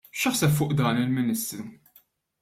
X'jaħseb fuq dan il-Ministru?